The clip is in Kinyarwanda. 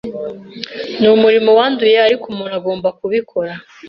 Ni umurimo wanduye, ariko umuntu agomba kubikora.